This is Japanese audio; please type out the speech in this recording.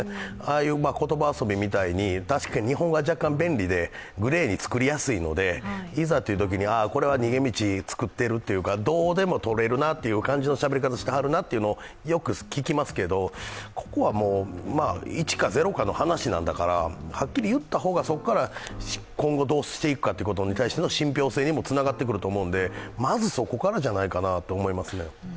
ああいう言葉遊びみたいに、日本語は若干便利で、グレーに作りやすいので、いざというときに、これは逃げ道作っているというかどうでもとれるなという感じのしゃべり方してはるなというのをよく聞きますけど、ここはイチかゼロかの話なんだから、はっきり言った方が、そこから今後どうしていくかということに対しての信ぴょう性にもつながってくると思うので、まずそこからじゃないかなと思うんですね。